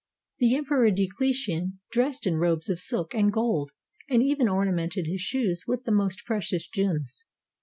The Emperor Diocletian dressed in robes of silk and gold, and even ornamented his shoes with the most precious gems.